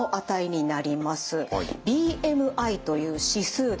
ＢＭＩという指数です。